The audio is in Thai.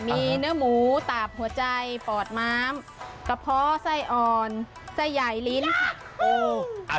มีเนื้อหมูตาบหัวใจปอดม้ามกระเพาะไส้อ่อนไส้ใหญ่ลิ้นค่ะ